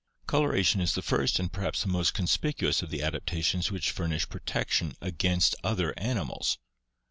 Coloration is the first and perhaps the most conspicuous of the adaptations which furnish protection against other animals.